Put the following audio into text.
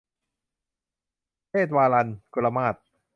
เลศลาวัณย์ - กรมาศ